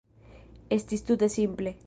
Estis tute simple.